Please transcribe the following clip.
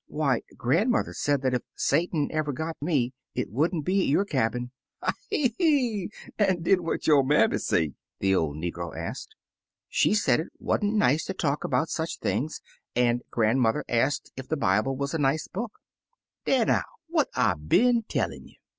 ''Why, grandmother said that if Satan ever got me, it would n't be at your cabin.'* "Ah yi! An' den what yo' manmiy say?" the old negro asked. "She said it wasn't nice to talk about such things, and grandmother asked if the Bible was a nice book." "Dar, now! What I been tellin' you?